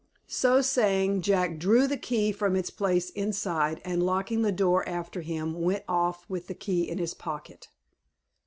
So saying, Jack drew the key from its place inside, and locking the door after him, went off with the key in his pocket.